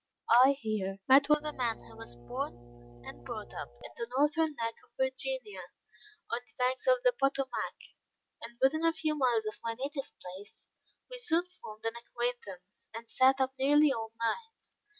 I here met with a man who was born and brought up in the Northern Neck of Virginia, on the banks of the Potomac, and within a few miles of my native place. We soon formed an acquaintance, and sat up nearly all night.